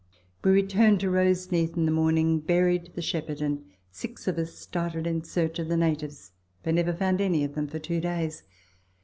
We returned to Rosencath in the morning, buried the shepherd, and six of us started in search of the natives, but never found any of them for two days.